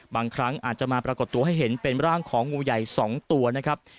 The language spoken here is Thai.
บางครั้งอาจจะมาปรากฏตัวให้เห็นเป็นร่างของงูใหญ่๒ตัวนะครับ